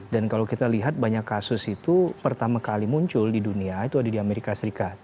dan kalau kita lihat banyak kasus itu pertama kali muncul di dunia itu ada di amerika serikat